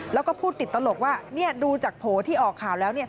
แล้วก็พูดติดตลกว่าดูจากโผล่ที่ออกข่าวแล้ว